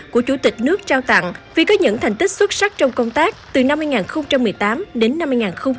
của chủ tịch nước trao tặng vì có những thành tích xuất sắc trong công tác từ năm hai nghìn một mươi tám đến năm hai nghìn một mươi tám